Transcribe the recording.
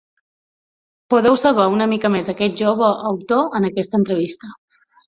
Podeu saber una mica més d’aquest jove autor en aquesta entrevista.